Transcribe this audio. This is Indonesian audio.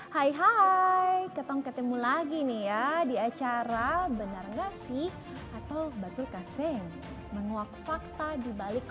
hai hai ketemu ketemu lagi nih ya di acara benar gak sih atau batu kasen menguak fakta di balik